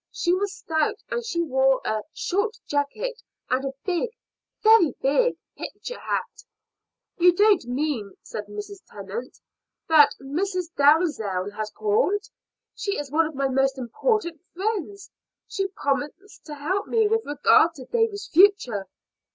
She was stout, and she wore a short jacket and a big very big picture hat." "You don't mean," said Mrs. Tennant, "that Mrs. Dalzell has called? She is one of my most important friends. She promised to help me with regard to David's future.